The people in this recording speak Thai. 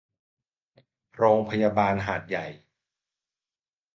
โรงพยาบาลหาดใหญ่